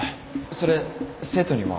それ生徒には？